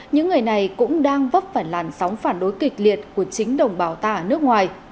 những người này cũng đang vấp phải làn sóng phản đối kịch liệt của chính đồng bào ta ở nước ngoài